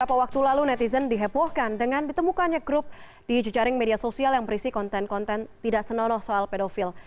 beberapa waktu lalu netizen dihebohkan dengan ditemukannya grup di jejaring media sosial yang berisi konten konten tidak senonoh soal pedofil